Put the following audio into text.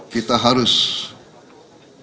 kita harus terus mencapai kebocoran